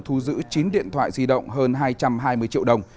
thu giữ chín điện thoại di động hơn hai trăm hai mươi triệu đồng